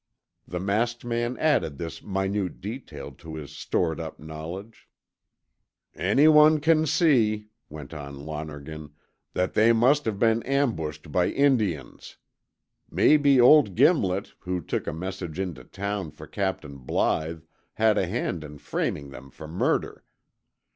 The masked man added this minute detail to his stored up knowledge. "Anyone can see," went on Lonergan, "that they must have been ambushed by Indians. Maybe old Gimlet, who took a message in to town for Captain Blythe, had a hand in framing them for murder.